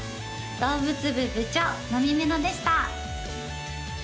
動物部部長なみめろでした